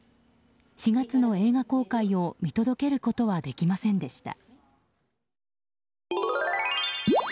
４月の映画公開を見届けることはできませんでした。